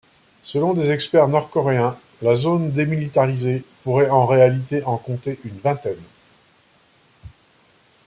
Selon des experts nord-coréens, la zone démilitarisée pourrait en réalité en compter une vingtaine.